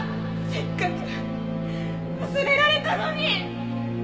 せっかく忘れられたのに！